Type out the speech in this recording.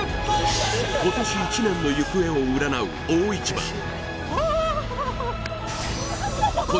今年１年の行方を占う大一番ああっ！